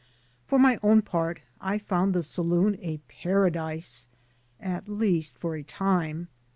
For my own part, I found the saloon a paradise, at least for a time.